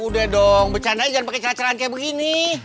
udah dong becandanya jangan pake celan celan kaya begini